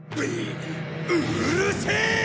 うるせえ！